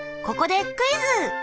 ここでクイズ！